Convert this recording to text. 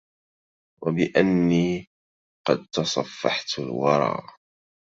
وبأني قد تصفحت الورى